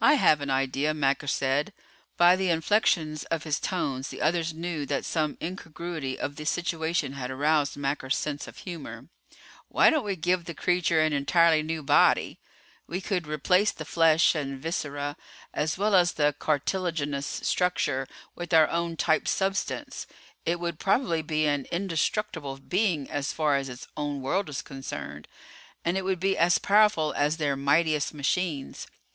"I have an idea," Macker said. By the inflections of his tones the others knew that some incongruity of the situation had aroused Macker's sense of humor. "Why don't we give the creature an entirely new body? We could replace the flesh and viscera, as well as the cartilaginous structure, with our own type substance. It would probably be an indestructible being as far as its own world is concerned. And it would be as powerful as their mightiest machines.